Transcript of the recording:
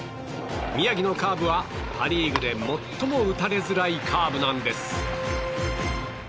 宮城のカーブはパ・リーグで最も打たれづらいカーブなんです。